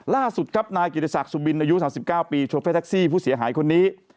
ล่าสุดครับนายกิติศักดิ์สุบินอายุ๓๙ปีโชเฟอร์แท็กซี่ผู้เสียหายคนนี้